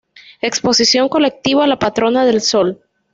Exposición Colectiva La Patrona del Sol.